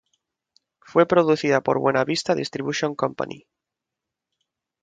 Fue producida por Buena Vista Distribution Company.